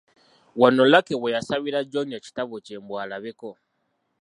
Wano Lucky we yasabira John ekitabo kye mbu alabeko.